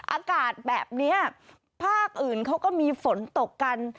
อากาศแบบนี้ภาคอื่นเขาก็มีฝนตกกัน